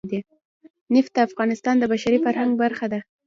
نفت د افغانستان د بشري فرهنګ برخه ده.